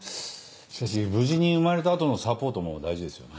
しかし無事に生まれた後のサポートも大事ですよね。